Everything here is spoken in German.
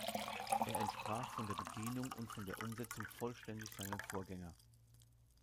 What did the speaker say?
Er entsprach von der Bedienung und der Umsetzung vollständig seinem Vorgänger.